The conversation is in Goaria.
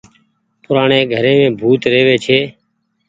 پورآڻي گهريم ڀوت ريوي ڇي۔